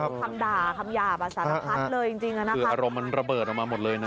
คำด่าคำหยาบอ่ะสารพัดเลยจริงจริงอ่ะนะคะคืออารมณ์มันระเบิดออกมาหมดเลยนะ